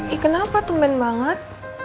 eh kenapa tumben banget